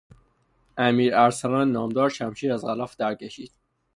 امیر ارسلان نامدار شمشیر از غلاف درکشید.